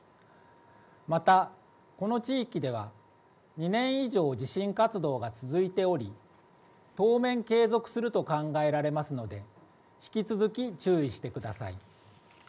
また、この地域では２年以上地震活動が続いており当面継続すると考えられますので引き続き注意してください。